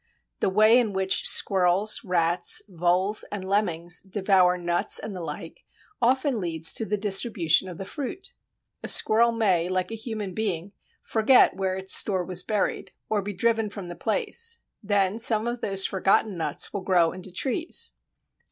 The way in which squirrels, rats, voles, and lemmings devour nuts and the like often leads to the distribution of the fruit. A squirrel may, like a human being, forget where its store was buried, or be driven from the place. Then some of those forgotten nuts will grow into trees.